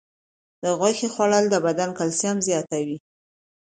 د غوښې خوړل د بدن کلسیم زیاتوي.